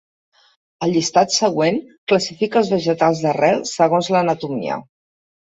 El llistat següent classifica els vegetals d'arrel segons l'anatomia.